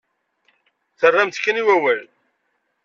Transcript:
Terramt-tt kan i wawal.